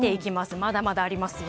まだまだありますよ。